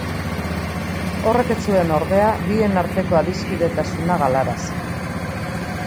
Horrek ez zuen, ordea, bien arteko adiskidetasuna galarazi.